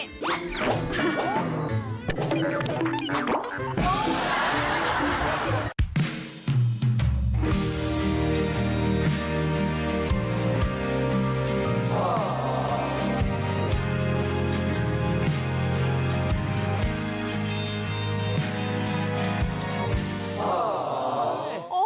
แฟนทัน